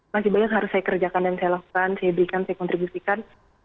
masih banyak harus saya kerjakan dan saya lakukan saya berikan saya kontribusikan